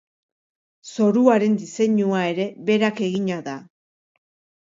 Zoruaren diseinua ere berak egina da.